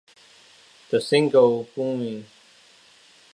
The single Boing!